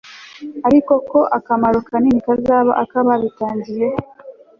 ariko ko akamaro kanini kazaba ak'ababitangiye